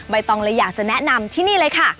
ตองเลยอยากจะแนะนำที่นี่เลยค่ะ